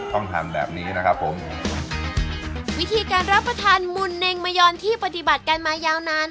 ต้องทำแบบนี้นะครับผมวิธีการรับประทานหุ่นเนงมะยอนที่ปฏิบัติกันมายาวนาน